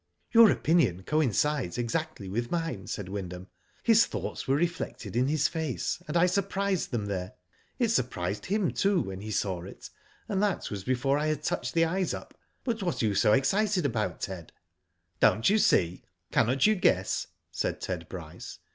''Your opinion coincides exactly with mine," said Wyndham. *' His thoughts were reflected in . his face, and I surprised them there. It surprised him, too, when he saw it, and that was before I had touched the eyes up. But what are you so excited about, Ted?" Don't you see? Cannot you guess?" said Ted Bryce.